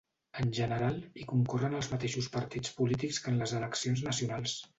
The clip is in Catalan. En general, hi concorren els mateixos partits polítics que en les eleccions nacionals.